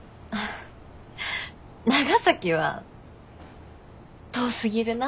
長崎は遠すぎるなって。